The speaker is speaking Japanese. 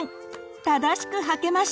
正しくはけました。